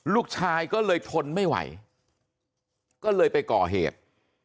ลูกชายก็เลยทนไม่ไหวก็เลยไปก่อเหตุ